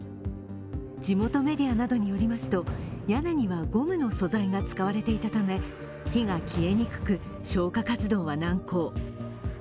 地元メディアなどによりますと屋根にはゴムの素材が使われていたため火が消えにくく消火活動は難航。